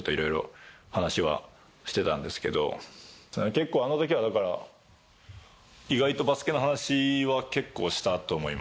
結構あの時はだから意外とバスケの話は結構したと思います。